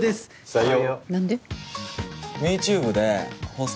採用。